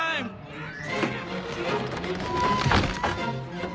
うん！